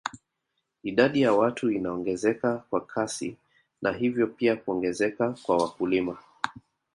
Idadi ya watu inaongezeka kwa kasi na hivyo pia kuongezeka kwa wakulima